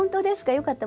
よかった。